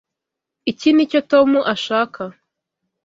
Iki nicyo Tom ashaka.